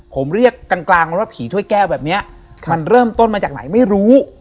ผมเรียกกลางกลางว่าผีถ้วยแก้วแบบนี้มันเริ่มต้นมาจากไหนไม่รู้